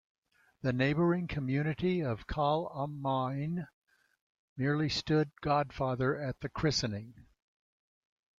The neighbouring community of Kahl am Main merely stood godfather at the christening.